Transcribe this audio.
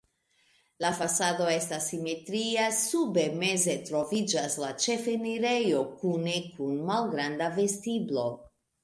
La fasado estas simetria, sube meze troviĝas la ĉefenirejo kune kun malgranda vestiblo.